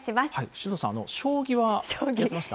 首藤さん、将棋はやってました？